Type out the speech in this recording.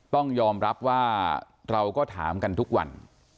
ต้องยอมรับว่าเราก็ถามกันทุกวัน